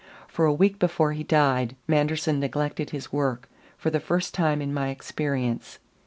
For a week before he died Manderson neglected his work, for the first time in my experience.